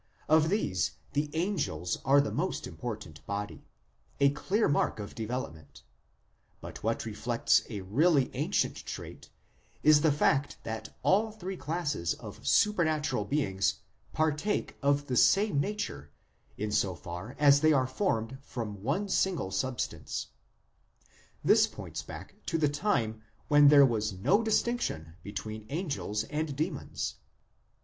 Of these the angels are the most important body, a clear mark of development ; but what reflects a really ancient trait is the fact that all three classes of supernatural beings partake of the same nature in so far as they are formed from one single substance. This points back to the time when there was no distinction between angels and demons.